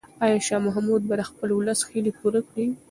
آیا شاه محمود به د خپل ولس هیلې پوره کړي؟